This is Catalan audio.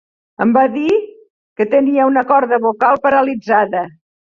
Em va dir que tenia una corda vocal paralitzada